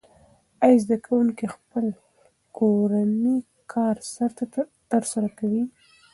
آیا زده کوونکي خپل کورنی کار ترسره کوي؟